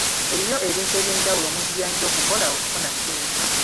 Eriyo ebintu eby'enjawulo omuntu by'ayinza okukola okufuna ssente.